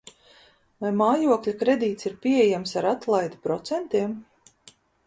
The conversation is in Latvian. Vai mājokļa kredīts ir pieejams ar atlaidi procentiem?